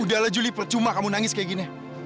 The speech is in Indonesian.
udahlah juli percuma kamu nangis kayak gini